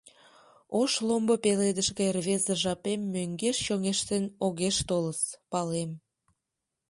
Ош ломбо пеледыш гай рвезе жапем мӧҥгеш чоҥештен огеш толыс, палем…